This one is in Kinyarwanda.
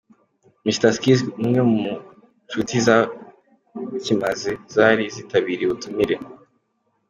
Mr Skizz ni umwe mu nshuti z'Abakimaze zari zitabiriye ubutumire.